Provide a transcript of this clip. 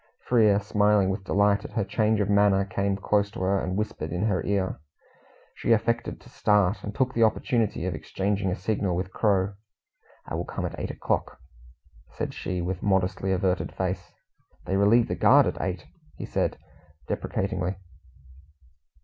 Frere, smiling with delight at her change of manner, came close to her, and whispered in her ear. She affected to start, and took the opportunity of exchanging a signal with the Crow. "I will come at eight o'clock," said she, with modestly averted face. "They relieve the guard at eight," he said deprecatingly.